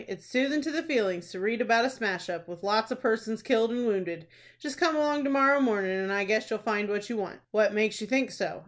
"It's soothin' to the feelings to read about a smash up, with lots of persons killed and wounded. Just come along to morrow mornin', and I guess you'll find what you want." "What makes you think so?"